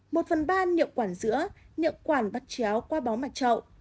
một phần ba niệu quản giữa niệu quản bắt chéo qua bóng mạch trậu